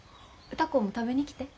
歌子も食べに来て！